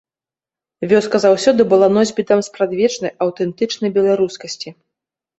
Вёска заўсёды была носьбітам спрадвечнай, аўтэнтычнай беларускасці.